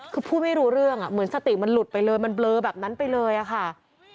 คือพูดไม่รู้เรื่องเหมือนสติมันหลุดไปเลยมันเบลอแบบนั้นไปเลยอะค่ะ